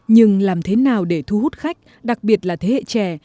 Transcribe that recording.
nhưng làm thế nào để thu hút khách đặc biệt là thế hệ trẻ